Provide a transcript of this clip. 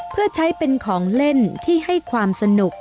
เพื่อใช้เป็นของเล่นที่ให้ความสนุก